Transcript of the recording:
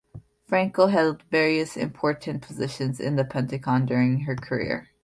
Franco held various important positions in The Pentagon during her career.